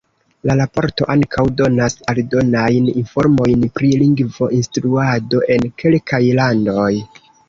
La raporto ankaŭ donas aldonajn informojn pri lingvo-instruado en kelkaj landoj.